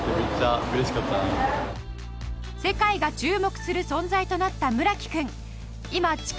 世界が注目する存在となった村木君。